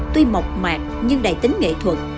tuy mộc mạc nhưng đầy tính nghệ thuật